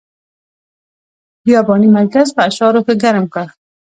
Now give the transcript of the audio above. بیاباني مجلس په اشعارو ښه ګرم کړ.